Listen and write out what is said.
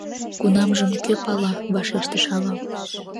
— Кунамжым кӧ пала, — вашештыш ава.